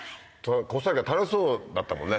コスタリカ楽しそうだったもんね。